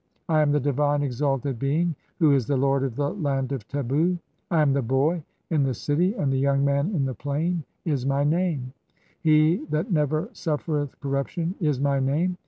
I am the divine exalted being who is the lord of the "land of Tebu. 'I am the Boy (16) in the city and the Young "man in the plain' is my name ; 'he that never suffereth cor "ruption' is my name.